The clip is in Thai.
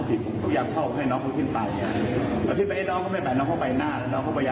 อ่อผมบอกไม่ให้น้องมันถ่าย